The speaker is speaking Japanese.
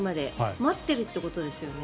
待ってるってことですよね。